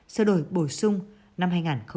sơ đổi bổ sung năm hai nghìn một mươi bảy